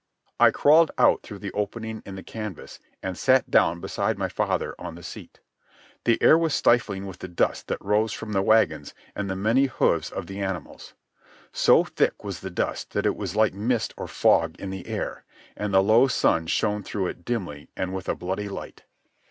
I crawled out through the opening in the canvas and sat down beside my father on the seat. The air was stifling with the dust that rose from the wagons and the many hoofs of the animals. So thick was the dust that it was like mist or fog in the air, and the low sun shone through it dimly and with a bloody light.